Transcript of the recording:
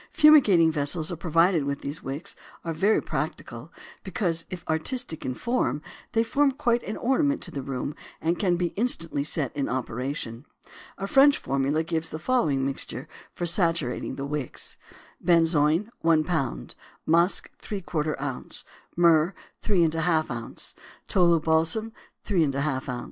Fumigating vessels provided with these wicks are very practical because, if artistic in form, they form quite an ornament to the room and can be instantly set in operation. A French formula gives the following mixture for saturating the wicks: Benzoin 1 lb. Musk ¾ oz. Myrrh 3½ oz. Tolu balsam 3½ oz.